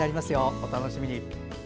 お楽しみに。